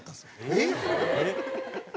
えっ？